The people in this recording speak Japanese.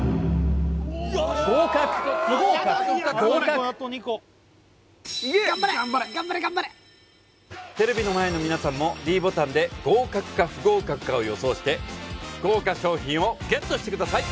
合格不合格合格テレビの前の皆さんもｄボタンで合格か不合格かを予想して豪華賞品をＧＥＴしてください